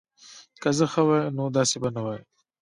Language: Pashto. که زه ښه وای نو داسی به نه وای